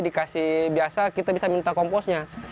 dikasih biasa kita bisa minta komposnya